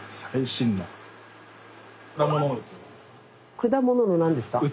果物の何ですか？